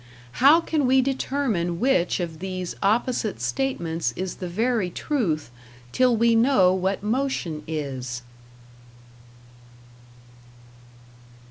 How can we determine which of these opposite statements is the very truth #till we know what motion is#?